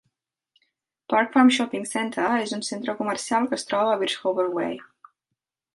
Park Farm Shopping Centre és un centre comercial que es troba a Birchover Way.